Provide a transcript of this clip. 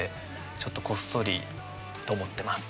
ちょっとこっそりと思ってます。